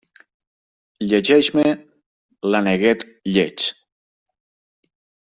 Llegeix-me l'Aneguet Lleig.